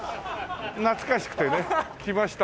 懐かしくてね来ましたんで。